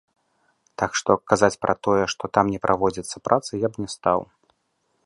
Так што, казаць пра тое, што там не праводзяцца працы, я б не стаў.